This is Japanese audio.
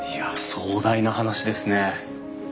壮大な話ですね。